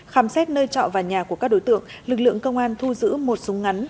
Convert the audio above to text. khám xét nơi trọ và nhà của các đối tượng lực lượng công an thu giữ một súng ngắn